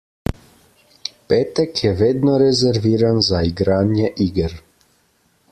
Petek je vedno rezerviran za igranje iger.